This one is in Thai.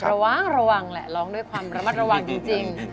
ระวังระวังแหละร้องด้วยความระมัดระวังจริง